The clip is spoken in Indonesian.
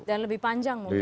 dan lebih panjang mungkin ya